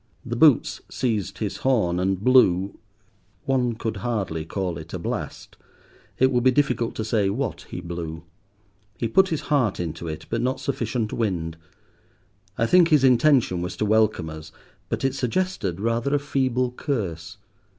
The boots seized his horn, and blew—one could hardly call it a blast; it would be difficult to say what he blew. He put his heart into it, but not sufficient wind. I think his intention was to welcome us, but it suggested rather a feeble curse.